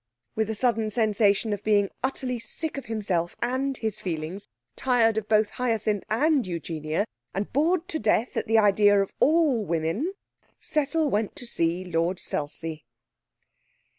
With a sudden sensation of being utterly sick of himself and his feelings, tired of both Hyacinth and Eugenia, and bored to death at the idea of all women, Cecil went to see Lord Selsey.